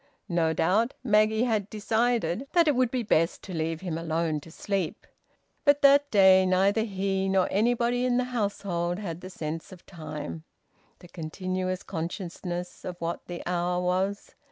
No doubt Maggie had decided that it would be best to leave him alone to sleep. But that day neither he nor anybody in the household had the sense of time, the continuous consciousness of what the hour was.